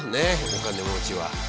お金持ちは。